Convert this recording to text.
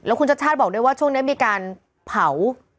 เพราะว่าช่วงนี้มีการเผา